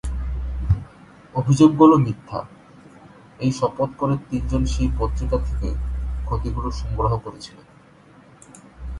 অভিযোগগুলো মিথ্যা, এই শপথ করে তিনজন সেই পত্রিকা থেকে ক্ষতিগুলো সংগ্রহ করেছিল।